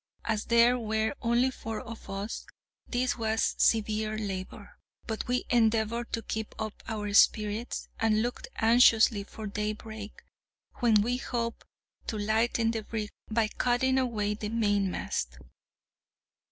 As there were only four of us, this was severe labour; but we endeavoured to keep up our spirits, and looked anxiously for daybreak, when we hoped to lighten the brig by cutting away the mainmast.